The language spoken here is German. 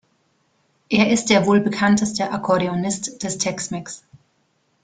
Er ist der wohl bekannteste Akkordeonist des Tex-Mex.